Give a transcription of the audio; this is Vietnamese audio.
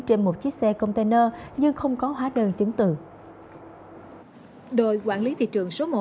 trên một chiếc xe container nhưng không có hóa đơn chứng tử đội quản lý thị trường số một